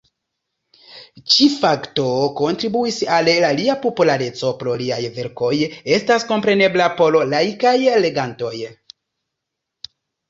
Ĉi-fakto kontribuis al lia populareco pro liaj verkoj estas komprenebla por laikaj legantoj.